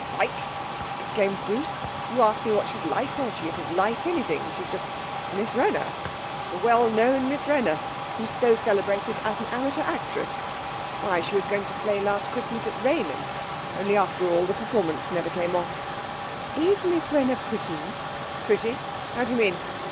'Like!' exclaimed Bruce. 'You ask me what she's like! Why, she isn't like anything. She's just Miss Wrenner the well known Miss Wrenner, who's so celebrated as an amateur actress. Why, she was going to play last Christmas at Raynham, only after all the performance never came off.' 'Is Miss Wrenner pretty?' 'Pretty? How do you mean?'